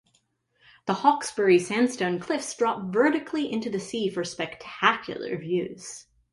The Hawkesbury sandstone cliffs drop vertically into the sea for spectacular views.